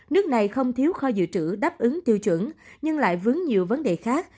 nước này không thiếu kho dự trữ đáp ứng tiêu chuẩn nhưng lại vướng nhiều vấn đề khác